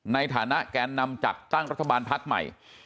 ในฐานะแกนนำจัดตั้งรัฐบาลพักใหม่